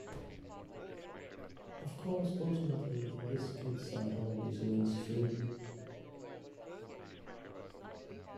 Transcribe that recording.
Of course, ultimately, his good side always wins through.